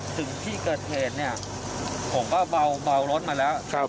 ถึงที่เกิดเหตุเนี่ยผมก็เบารถมาแล้ว